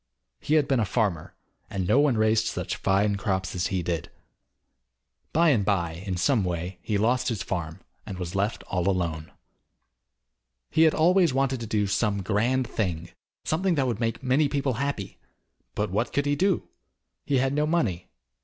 He had been a farmer, and no one raised such fine crops as he did. By and by, in some way, he lost his farm, and was left all alone. He had always wanted to do some grand thing, something that would make many people happy, but what could he do? He had no money.